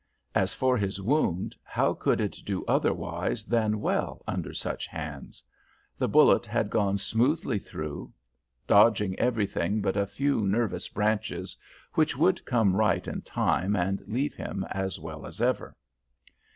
As for his wound, how could it do otherwise than well under such hands? The bullet had gone smoothly through, dodging everything but a few nervous branches, which would come right in time and leave him as well as ever.